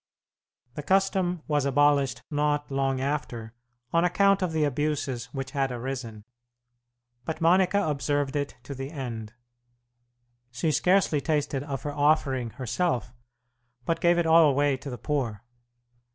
The custom was abolished not long after on account of the abuses which had arisen, but Monica observed it to the end. She scarcely tasted of her offering herself, but gave it all away to the poor.